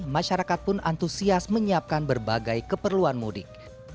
masyarakat pun antusias menyiapkan berbagai keperluan mudik